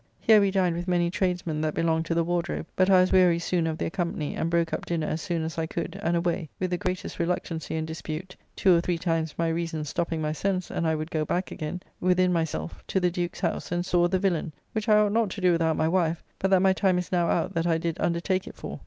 Here we dined with many tradesmen that belong to the Wardrobe, but I was weary soon of their company, and broke up dinner as soon as I could, and away, with the greatest reluctancy and dispute (two or three times my reason stopping my sense and I would go back again) within myself, to the Duke's house and saw "The Villaine," which I ought not to do without my wife, but that my time is now out that I did undertake it for.